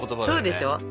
そうでしょ？